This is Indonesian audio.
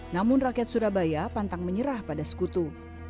namun rakyat surabaya pantang menyerah pada sekutu